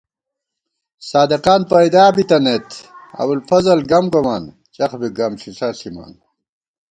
صادِقان پَئیدِیا بِتَنَئیت ابُوالفضل گم گومان چخ بی گم ݪِݪہ ݪِمان